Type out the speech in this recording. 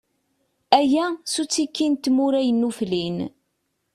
Aya, s uttiki n tmura yennuflin.